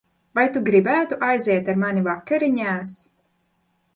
Vai tu gribētu aiziet ar mani vakariņās?